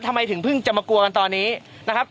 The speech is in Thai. ทำไมถึงเพิ่งจะมากลัวกันตอนนี้นะครับ